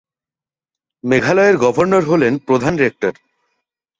মেঘালয়ের গভর্নর হলেন প্রধান রেক্টর।